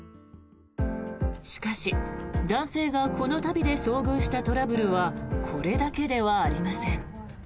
しかし、男性がこの旅で遭遇したトラブルはこれだけではありません。